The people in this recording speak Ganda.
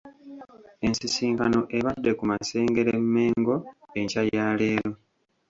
Ensisinkano ebadde ku Masengere, Mengo enkya ya leero.